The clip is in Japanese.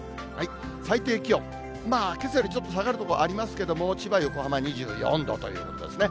最低気温、けさよりちょっと下がる所もありますけれども、千葉、横浜、２４度ということですね。